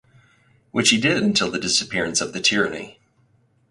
Which he did until the disappearance of the tyranny.